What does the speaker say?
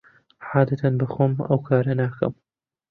عادەتەن بەخۆم ئەو کارە ناکەم.